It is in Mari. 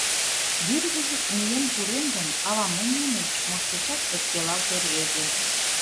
— Вӱр вузык миен пурем гын, авам мом манеш? — моткочак ӧпкелалте рвезе.